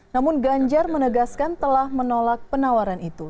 namun ganjar menegaskan telah menolak penawaran itu